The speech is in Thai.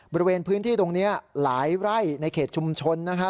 บริเวณพื้นที่ตรงนี้หลายไร่ในเขตชุมชนนะฮะ